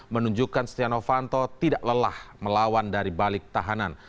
menunjukkan stiano fanto tidak lelah melawan dari balik tahanan